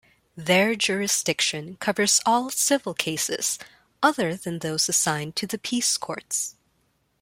Their jurisdiction covers all civil cases other than those assigned to the peace courts.